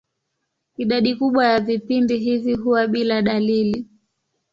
Idadi kubwa ya vipindi hivi huwa bila dalili.